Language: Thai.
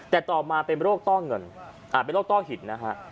แต่ต่อมาเป็นโรคต้อเงินเป็นโรคต้อหิตนะฮะ